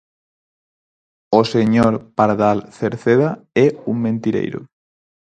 O señor Pardal Cerceda é un mentireiro.